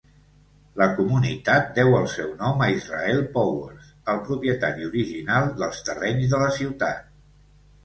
La comunitat deu el seu nom a Israel Powers, el propietari original dels terrenys de la ciutat.